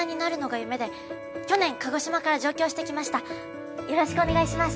よろしくお願いします！